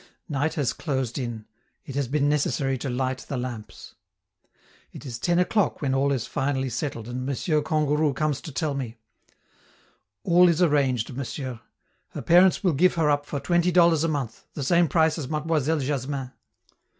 Night has closed in; it has been necessary to light the lamps. It is ten o'clock when all is finally settled, and M. Kangourou comes to tell me: "All is arranged, Monsieur: her parents will give her up for twenty dollars a month the same price as Mademoiselle Jasmin."